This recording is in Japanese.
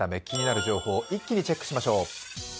気になる情報を一気にチェックしましょう。